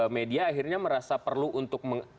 media akhirnya merasa perlu untuk